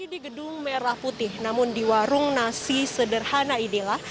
di gedung merah putih namun di warung nasi sederhana inilah